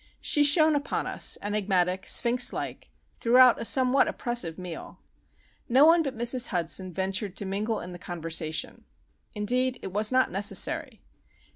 She shone upon us, enigmatic, sphinx like, throughout a somewhat oppressive meal. No one but Mrs. Hudson ventured to mingle in the conversation. Indeed, it was not necessary.